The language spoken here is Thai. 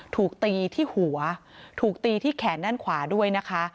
ถูกตีที่หัวถูกตีที่แขนด้านขวาด้วยนะคะ